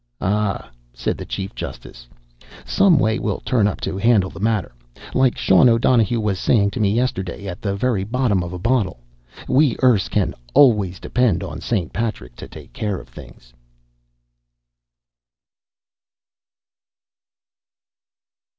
"Ah," said the chief justice. "Some way will turn up to handle the matter. Like Sean O'Donohue was sayin' to me yesterday, at the very bottom of a bottle, we Erse can always depend on St. Patrick to take care of things!"